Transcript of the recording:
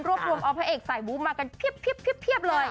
รวบรวมออกพระเอกใส่วูบมากันเพียบ